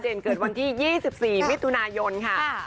เกิดวันที่๒๔มิถุนายนค่ะ